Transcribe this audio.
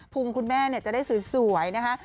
ุงคุณแม่จะได้สวยนะคะ